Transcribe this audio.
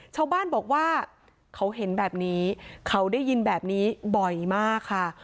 ชาวบ้านบอกว่าเขาเห็นแบบนี้เขาได้ยินแบบนี้บ่อยมากค่ะ